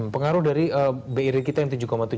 pengaruh dari biri kita yang tujuh tujuh puluh lima